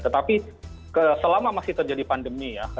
tetapi selama masih terjadi pandemi ya